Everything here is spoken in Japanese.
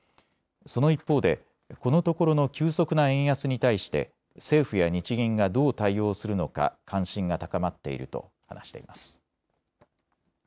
その一方でこのところの急速な円安に対して政府や日銀がどう対応するのか関心が高まっていると話しています。